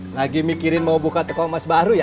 lagi mikirin mau buka toko emas baru ya